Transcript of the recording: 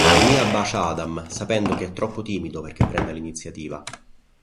Mia bacia Adam, sapendo che è troppo timido perché prenda l'iniziativa.